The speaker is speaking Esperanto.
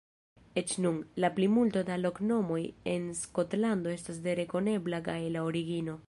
Eĉ nun, la plimulto da loknomoj en Skotlando estas de rekonebla gaela origino.